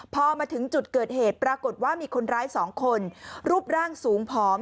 พอมาถึงจุดเกิดเหตุปรากฏว่ามีคนร้าย๒คนรูปร่างสูงผอม